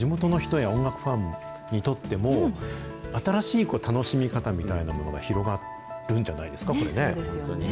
地元の人や音楽ファンにとっても、新しい楽しみ方みたいなものが広がるんじゃないですか、これね。